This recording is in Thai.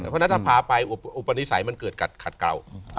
พ่อน่ะจะพาไปอุปนิสัยมันเกิดขัดเกลา